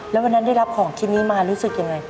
แล้ววันนั้นได้รับของชิ้นนี้มารู้สึกยังไง